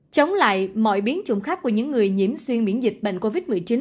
chống lại mọi biến chủng khác của những người nhiễm xuyên miễn dịch bệnh covid một mươi chín